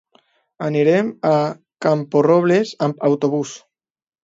Anirem a Camporrobles amb autobús.